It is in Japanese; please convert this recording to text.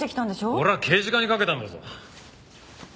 俺は刑事課にかけたんだぞ。